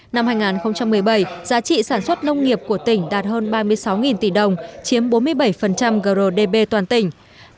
năm hai nghìn một mươi bảy giá trị sản xuất nông nghiệp của tỉnh đạt hơn ba mươi sáu tỷ đồng chiếm bốn mươi bảy grdp toàn tỉnh